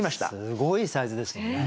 すごいサイズですよね。